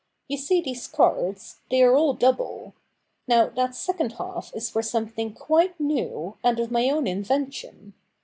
You see these cards ; they are all double. Now that second half is for some thing quite new, and of my own invention.